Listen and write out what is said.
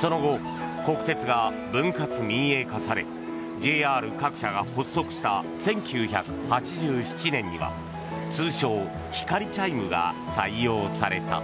その後、国鉄が分割民営化されＪＲ各社が発足した１９８７年には通称・ひかりチャイムが採用された。